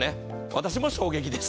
私も衝撃です。